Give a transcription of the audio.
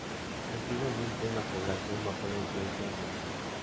Antiguamente una población bajo la influencia olmeca.